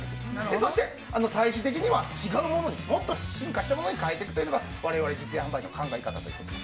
そして最終的には違うものにもっと進化したものに変えていくというのが実演販売の考え方です。